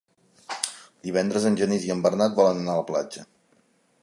Divendres en Genís i en Bernat volen anar a la platja.